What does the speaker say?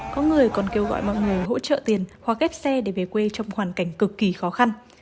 có người còn kêu gọi mọi người hỗ trợ tiền hoặc ghép xe để về quê trong hoàn cảnh cực kỳ khó khăn